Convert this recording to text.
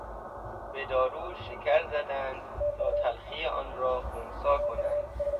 به دارو شکر زدند تا تلخی آن را خنثی کنند.